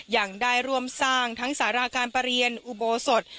ยังได้ร่วมสร้างทั้งสาราการประเรียนอุโบสถ